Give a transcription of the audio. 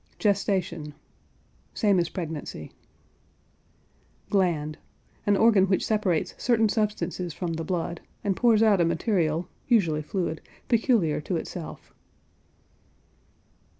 GESTATION. Same as pregnancy. GLAND. An organ which separates certain substances from the blood, and pours out a material, usually fluid, peculiar to itself.